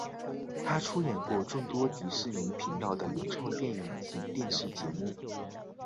他出演过众多迪士尼频道的原创电影及电视节目。